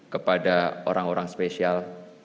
kepada orang orang spesial